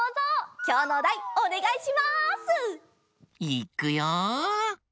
いっくよ！